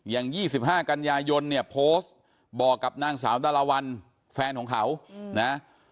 ๒๕กันยายนเนี่ยโพสต์บอกกับนางสาวดาราวันแฟนของเขานะ